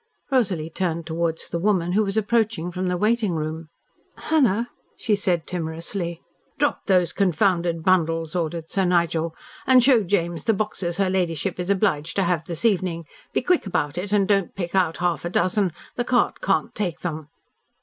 Rosalie turned towards the woman, who was approaching from the waiting room. "Hannah," she said timorously. "Drop those confounded bundles," ordered Sir Nigel, "and show James the boxes her ladyship is obliged to have this evening. Be quick about it and don't pick out half a dozen. The cart can't take them."